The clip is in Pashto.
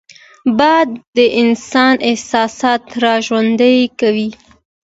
باد د انسان احساسات راژوندي کوي